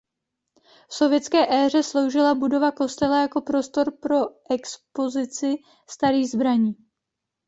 V sovětské éře sloužila budova kostela jako prostor pro expozici starých zbraní.